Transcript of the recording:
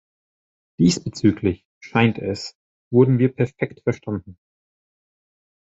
Diesbezüglich, scheint es, wurden wir perfekt verstanden.